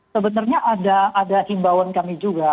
sebenarnya ada himbauan kami juga